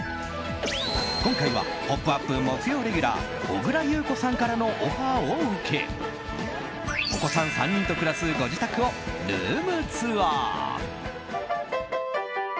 今回は「ポップＵＰ！」木曜レギュラー小倉優子さんからのオファーを受けお子さん３人と暮らすご自宅をルームツアー。